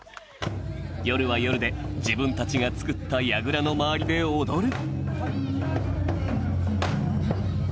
夜は夜で自分たちが作ったやぐらの周りで踊る